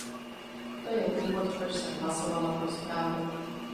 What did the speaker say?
To je důvod, proč jsem hlasovala pro zprávu.